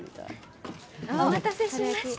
お待たせしました！